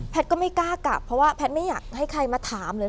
ก็ไม่กล้ากลับเพราะว่าแพทย์ไม่อยากให้ใครมาถามเลย